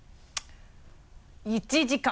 １時間。